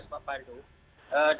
dari pak pandu